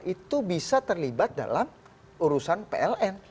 itu bisa terlibat dalam urusan pln